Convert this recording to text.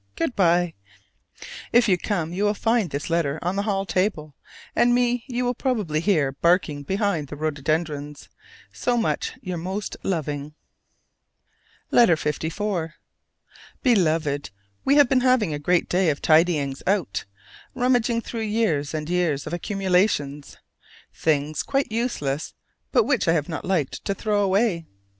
Good by. If you come you will find this letter on the hall table, and me you will probably hear barking behind the rhododendrons. So much your most loving. LETTER LIV. Beloved: We have been having a great day of tidyings out, rummaging through years and years of accumulations things quite useless but which I have not liked to throw away.